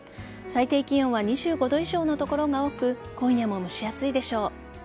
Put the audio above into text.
最低気温は２５度以上の所が多く今夜も蒸し暑いでしょう。